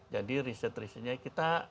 jadi riset risetnya kita